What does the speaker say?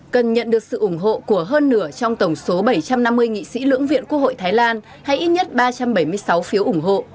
cần nhận được sự ủng hộ của hơn nửa trong tổng số bảy trăm năm mươi nghị sĩ lưỡng viện quốc hội thái lan hay ít nhất ba trăm bảy mươi sáu phiếu ủng hộ